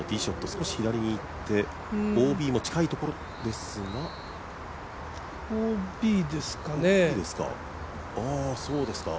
少し、左行ってＯＢも近いところですがＯＢですかね。